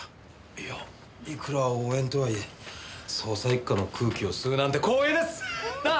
いやいくら応援とはいえ捜査一課の空気を吸うなんて光栄です！なあ。